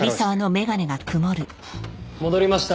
戻りました。